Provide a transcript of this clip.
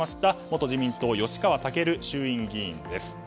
元自民党、吉川赳衆院議員です。